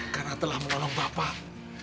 karena telah mengolong bapak